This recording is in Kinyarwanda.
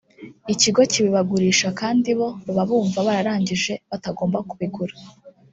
ikigo kibibagurisha kandi bo baba bumva bararangije batagomba kubigura